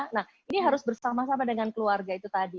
nah ini harus bersama sama dengan keluarga itu tadi